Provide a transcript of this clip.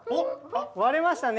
われましたね。